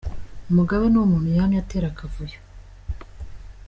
Mugabe ni umuntu yamye atera akavuyo .